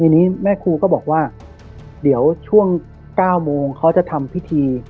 ทีนี้แม่ครูก็บอกว่าเดี๋ยวช่วง๙โมงเขาจะทำพิธี